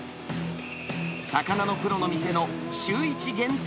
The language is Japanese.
魚のプロの店の週１限定